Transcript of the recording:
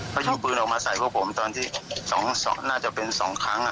เขายิงปืนออกมาใส่พวกผมตอนที่น่าจะเป็น๒ครั้ง